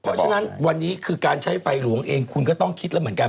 เพราะฉะนั้นวันนี้คือการใช้ไฟหลวงเองคุณก็ต้องคิดแล้วเหมือนกัน